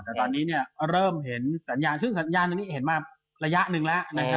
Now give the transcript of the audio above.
แต่ตอนนี้เริ่มเห็นสัญญาณซึ่งสัญญาณนี้เห็นมาระยะนึงแล้ว